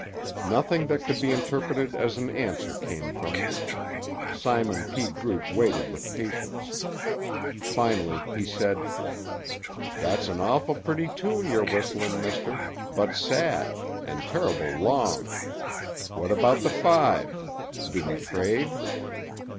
Nothing that could be interpreted as an answer came from them. Simon P. Groot waited with patience. Finally he said: "That's an awful pretty tune you're whistlin', mister, but sad, and terrible long. What about the five? Do we trade?"